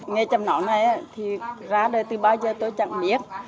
nghe chăm nón này thì ra đây từ bao giờ tôi chẳng biết